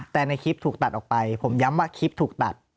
แต่ในคลิปถูกตัดออกไปผมย้ำว่าคลิปถูกตัด